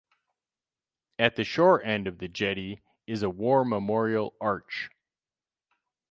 At the shore end of the jetty is a War Memorial arch.